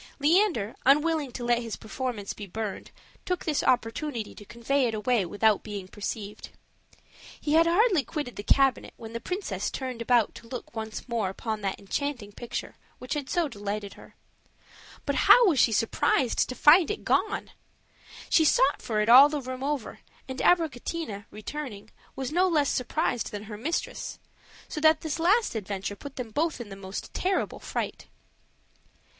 Leander, unwilling to let his performance be burned, took this opportunity to convey it away without being perceived. He had hardly quitted the cabinet, when the princess turned about to look once more upon that enchanting picture, which had so delighted her. But how was she surprised to find it gone! She sought for it all the room over; and Abricotina, returning, was no less surprised than her mistress; so that this last adventure put them both in the most terrible fright.